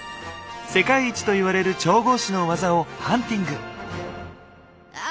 世界一といわれる調合師の技をハンティング！